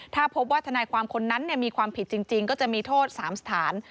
ถ้าพบว่าทนายความคนนั้นมีความผิดจริงก็จะมีโทษ๓สถาน